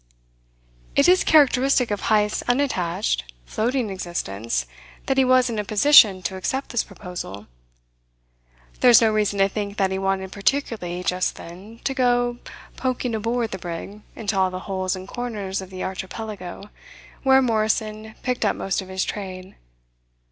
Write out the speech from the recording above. It is characteristic of Heyst's unattached, floating existence that he was in a position to accept this proposal. There is no reason to think that he wanted particularly just then to go poking aboard the brig into all the holes and corners of the Archipelago where Morrison picked up most of his trade.